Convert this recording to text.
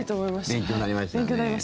勉強になりました。